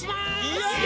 イエーイ！